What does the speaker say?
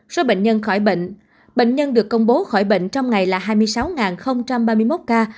số bệnh nhân khỏi bệnh bệnh nhân được công bố khỏi bệnh trong ngày là hai mươi sáu ba mươi một ca